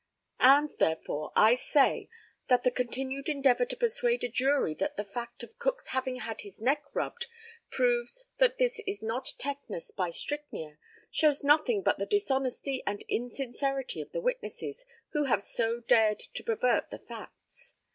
And, therefore, I say that the continued endeavour to persuade a jury that the fact of Cook's having had his neck rubbed proves that this is not tetanus by strychnia, shows nothing but the dishonesty and insincerity of the witnesses who have so dared to pervert the facts.